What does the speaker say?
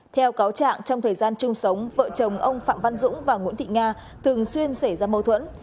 theo cáo trạng trong thời gian chung sống vợ chồng ông phạm văn dũng và nguyễn thị nga thường xuyên xảy ra mâu thuẫn